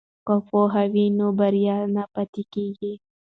که پوهه وي نو بریا نه پاتې کیږي.